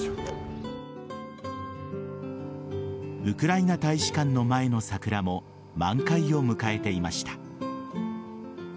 ウクライナ大使館の前の桜も満開を迎えていました。